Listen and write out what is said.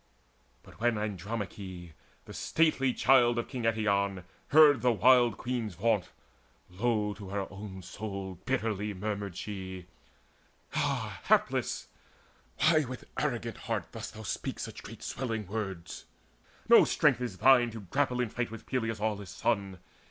But when Andromache, the stately child Of king Eetion, heard the wild queen's vaunt, Low to her own soul bitterly murmured she: "Ah hapless! why with arrogant heart dost thou Speak such great swelling words? No strength is thine To grapple in fight with Peleus' aweless son.